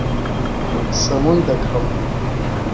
سەمون دەکڕم.